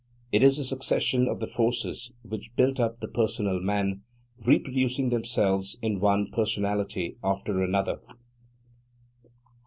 It is the succession of the forces which built up the personal man, reproducing themselves in one personality after another.